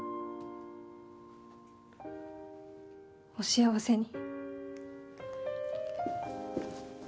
お幸せに。